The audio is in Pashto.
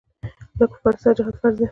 له کفارو سره جهاد فرض دی.